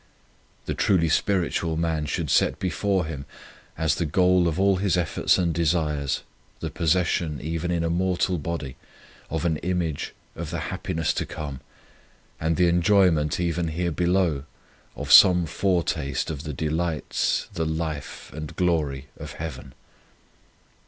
1 The truly spiritual man should set before him, as the goal of all his efforts and desires, the possession even in a mortal body, of an image of the happiness to come, and the enjoyment even here below of some foretaste of the delights, the life, and glory of Heaven.